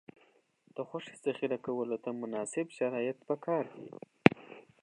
د غوښې ذخیره کولو ته مناسب شرایط پکار دي.